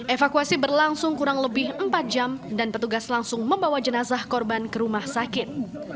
evakuasi berlangsung kurang lebih empat jam dan petugas langsung membawa jenazah korban ke rumah sakit